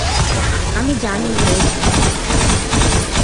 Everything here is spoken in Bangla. আমি জানি হয়েছিল।